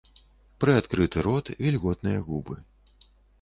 Прыадкрыты рот, вільготныя губы.